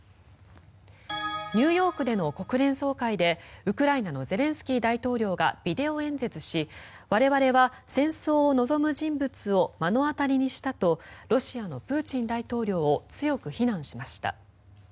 ニューヨークでの国連総会でウクライナのゼレンスキー大統領がビデオ演説し我々は戦争を望む人物を目の当たりにしたとロシアのプーチン大統領を強く非難しました。